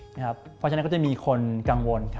เพราะฉะนั้นก็จะมีคนกังวล